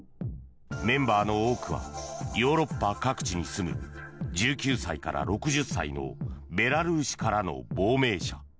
メンバーの多くはヨーロッパ各地に住む１９歳から６０歳のベラルーシからの亡命者。